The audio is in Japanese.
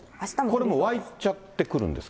これもう湧いちゃってくるんですか。